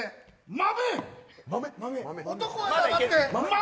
豆。